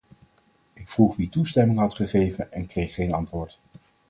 Ik vroeg wie toestemming had gegeven en kreeg geen antwoord.